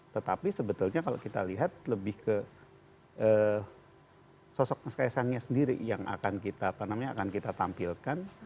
tetapi sebetulnya kalau kita lihat lebih ke sosok mas kaisangnya sendiri yang akan kita apa namanya akan kita tampilkan